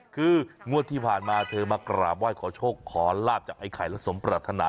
คืองวดที่ผ่านมาเธอมากราบไหว้ขอโชคขอลาบจากไอ้ไข่และสมปรัฐนา